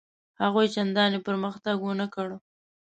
هغوی چنداني پرمختګ ونه کړ.